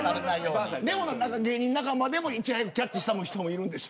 芸人仲間でもキャッチした人がいたんでしょ。